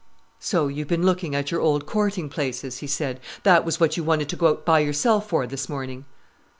"So you've been looking at your old courting places!" he said. "That was what you wanted to go out by yourself for this morning."